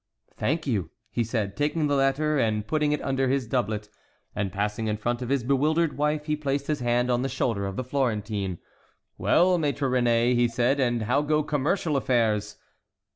"Thank you," he said, taking the letter and putting it under his doublet; and, passing in front of his bewildered wife, he placed his hand on the shoulder of the Florentine. "Well, Maître Réné!" he said, "and how go commercial affairs?"